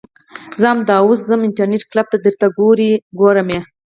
زه همدا اوس ځم انترنيټ کلپ ته درته ګورم يې .